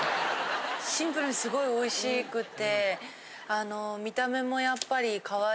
シンプルにすごいおいしくて。